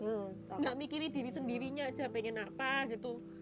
nggak mikirin diri sendirinya aja pengen apa gitu